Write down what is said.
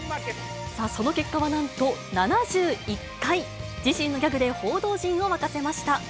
その結果はなんと７１回、自身のギャグで報道陣を沸かせました。